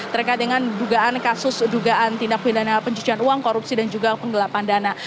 terkait dengan dugaan kasus dugaan tindak pidana pencucian uang korupsi dan juga penggelapan dana